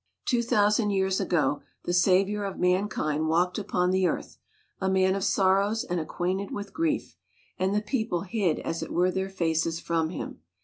Two thousand years ago the Savior of Mankind walked upon the earth, a man of sorrows and acquainted with grief; and the people hid as it were their faces from him.